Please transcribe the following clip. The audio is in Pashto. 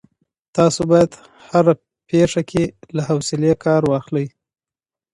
تاسو باید په هره پېښه کي له حوصلې کار واخلئ.